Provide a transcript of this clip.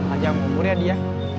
aja ngomong muria dia